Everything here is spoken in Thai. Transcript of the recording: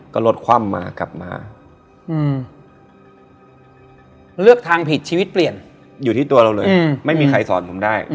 ก็รถคว่ำมากลับมาเลือกทางผิดชีวิตเปลี่ยนอยู่ที่ตัวเราเลยไม่มีใครสอนผมได้